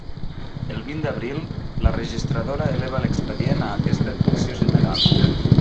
El vint d'abril, la registradora eleva l'expedient a aquesta Direcció General.